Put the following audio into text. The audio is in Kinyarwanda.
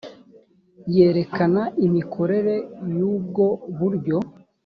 yerekana imikorere y ubwo buryo